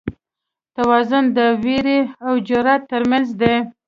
توازن د وېرې او جرئت تر منځ دی.